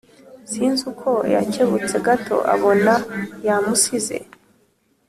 Sinzi uko yakebutse gato abona yamusize